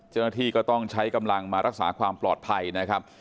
เจ้าหน้าที่ก็ต้องใช้กำลังมารักษาความปลอดภัยนะครับ